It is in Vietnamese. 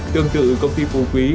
tương tự công ty phù quý